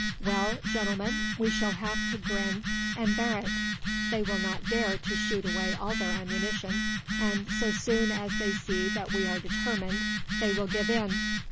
"Well, Gentlemen, we shall have to grin and bear it. They will not dare to shoot away all their ammunition, and so soon as they see that we are determined, they will give in.